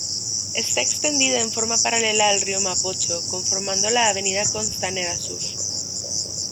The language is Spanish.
Está extendida en forma paralela al río Mapocho, conformando la Avenida Costanera Sur.